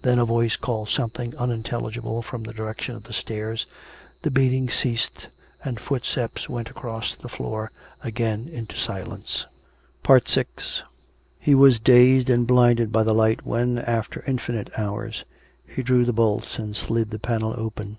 Then a voice called something unintelligible from the direction of the stairs; the beating ceased, and footsteps went across the floor again into silence. VI He was dazed and blinded by the light when, after in finite hours, he drew the bolts and slid the panel open.